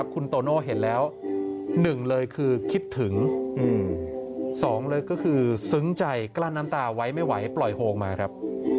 กล้านน้ำตาไหวไม่ไหวปล่อยโฮงมาครับ